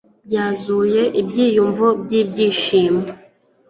byuzuye ibyiyumvo byibyishimo